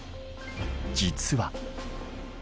実は。